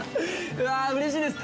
うわうれしいです！